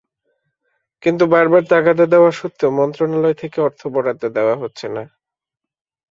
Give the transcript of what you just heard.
কিন্তু বারবার তাগাদা দেওয়া সত্ত্বেও মন্ত্রণালয় থেকে অর্থ বরাদ্দ দেওয়া হচ্ছে না।